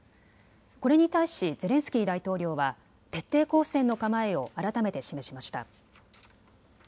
これに対しゼレンスキー大統領は徹底抗戦の構えを改めて示しました。